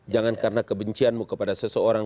jangan karena kebencianmu kepada seseorang